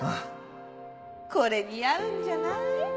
これ似合うんじゃない？